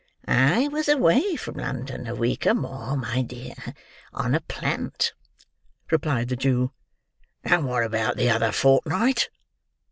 "I was away from London, a week and more, my dear, on a plant," replied the Jew. "And what about the other fortnight?"